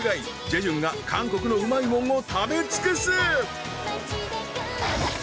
ジェジュンが韓国のうまいもんを食べ尽くす！